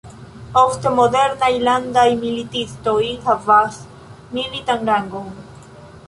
Ofte, modernaj landaj militistoj havas militan rangon.